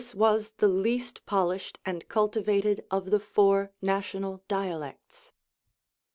TUb was the least polished and cultivated of the four national dialects.